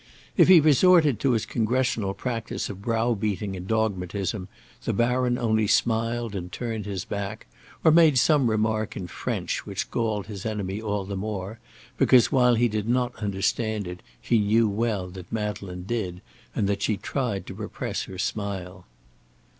If he resorted to his Congressional practise of browbeating and dogmatism, the Baron only smiled and turned his back, or made some remark in French which galled his enemy all the more, because, while he did not understand it, he knew well that Madeleine did, and that she tried to repress her smile.